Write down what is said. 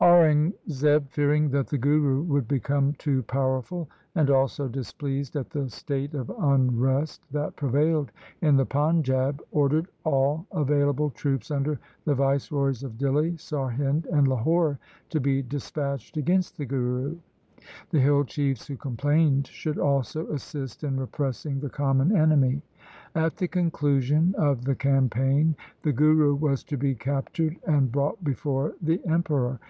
Aurangzeb fearing that the Guru would become too powerful, and also displeased at the state of unrest that prevailed in the Panjab, ordered all available troops under the viceroys of Dihli, Sarhind, and Lahore to be dispatched against the Guru. The hill chiefs who complained should also assist in repressing the common enemy. At the conclusion of the campaign the Guru was to be captured and brought before the Emperor.